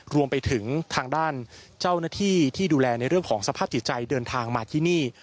รวมไปถึงทางด้านเจ้าหน้าที่ที่ดูแลในเรื่องของสภาพจิตใจเดินทางมาที่นี่